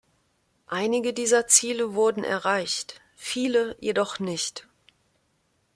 Einige dieser Ziele wurden erreicht, viele jedoch nicht.